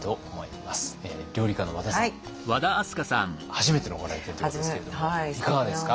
初めてのご来店ということですけれどもいかがですか？